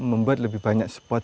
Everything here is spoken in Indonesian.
membuat lebih banyak spot